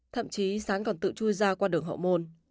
thậm chí sán còn tự chui ra qua đường hậu môn